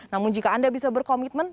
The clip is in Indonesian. namun jika anda bisa berkomitmen